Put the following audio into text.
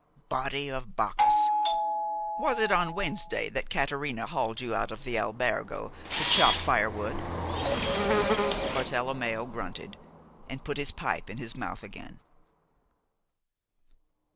Body of Bacchus! Was it on Wednesday that Caterina hauled you out of the albergo to chop firewood?" Bartelommeo grunted, and put his pipe in his mouth again.